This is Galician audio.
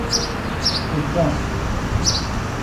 O trazo.